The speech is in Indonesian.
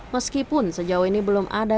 meskipun sejauh ini belum ada